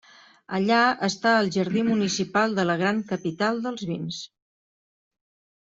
Allà està al jardí municipal de la gran capital dels vins.